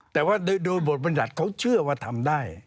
แต่ว่าโดยบทบรรยัติเขาเชื่อว่าทำได้